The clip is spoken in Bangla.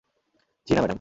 জি না ম্যাডাম।